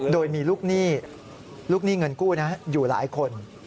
โดยมีลูกหนี้เงินกู้อยู่หลายคน